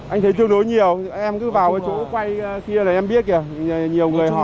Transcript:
anh thấy tương đối nhiều em cứ vào chỗ quay kia là em biết kìa nhiều người hỏi